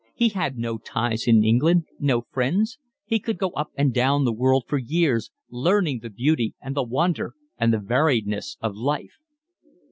He had no ties in England, no friends; he could go up and down the world for years, learning the beauty and the wonder and the variedness of life.